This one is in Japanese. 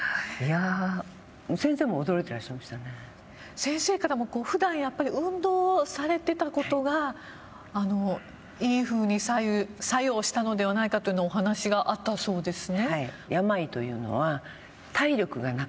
先生からも普段運動されてたことがいいふうに作用したのではないかというお話があったそうですね。